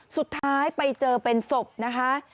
สุดท้ายไปเจอเป็นศพนะคะ